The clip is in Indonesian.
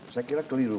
saya kira keliru